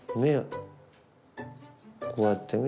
こうやってみ？